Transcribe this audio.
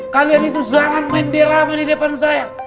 kalian itu jalan main derama di depan saya